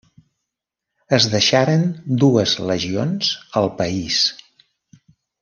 Es deixaren dues legions al país.